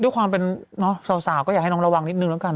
ด้วยความเป็นสาวก็อยากให้น้องระวังนิดนึงแล้วกัน